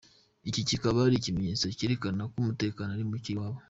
Iki kikaba ari ikimenyetso cyerekana ko umutekano ari muke iwabo.